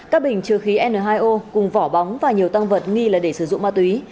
các bình chứa khí n hai o cùng vỏ bóng và nhiều tăng vật nghi là để sử dụng ma túy